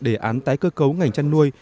đề án tái cơ cấu ngành chăn nuôi